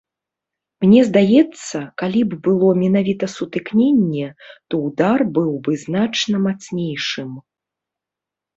Мне здаецца, калі б было менавіта сутыкненне, то ўдар быў бы значна мацнейшым.